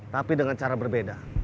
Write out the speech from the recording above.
tapi dengan cara berbeda